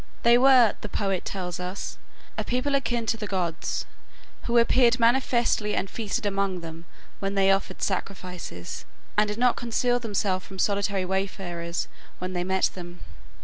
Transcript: They were, the poet tells us, a people akin to the gods, who appeared manifestly and feasted among them when they offered sacrifices, and did not conceal themselves from solitary wayfarers when they met them.